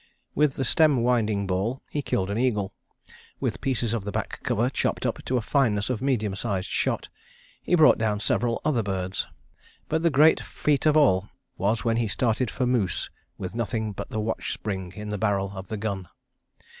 With the stem winding ball he killed an eagle; with pieces of the back cover chopped up to a fineness of medium sized shot he brought down several other birds, but the great feat of all was when he started for moose with nothing but the watch spring in the barrel of the gun.